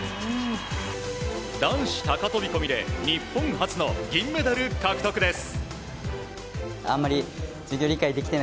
男子高飛込で日本初の銀メダル獲得です。